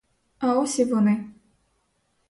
А ось і вони.